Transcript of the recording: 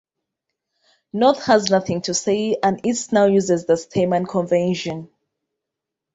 North has nothing to say and East now uses the Stayman convention.